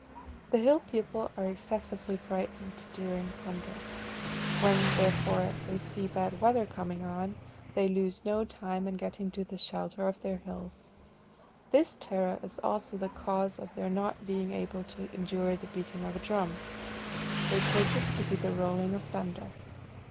The hill people are excessively frightened during thunder. When, therefore, they see bad weather coming on, they lose no time in getting to the shelter of their hills. This terror is also the cause of their not being able to endure the beating of a drum. They take it to be the rolling of thunder.